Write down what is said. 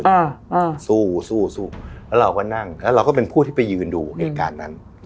อ่าอ่าสู้สู้แล้วเราก็นั่งแล้วเราก็เป็นผู้ที่ไปยืนดูเหตุการณ์นั้น